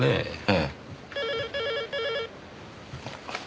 ええ。